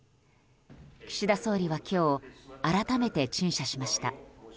岸田総理は今日改めて陳謝しました。